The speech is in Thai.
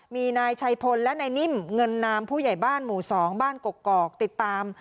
มีนายชัยพลและนายนิ่มเงินนามผู้ใหญ่บ้านหมู่๒บ้านกกอกติดตาม